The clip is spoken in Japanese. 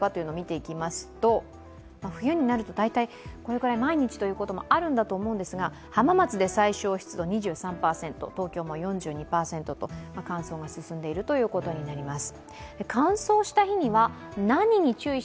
冬になると大体これくらい毎日ということもあるんだと思うんですが浜松で最小湿度２３％、東京も４２％と乾燥が進んでいるということになります。